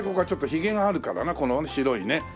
ちょっとひげがあるからなこの白いね。